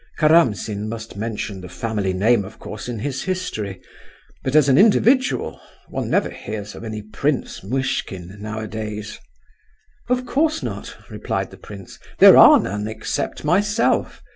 Karamsin must mention the family name, of course, in his history—but as an individual—one never hears of any Prince Muishkin nowadays." "Of course not," replied the prince; "there are none, except myself.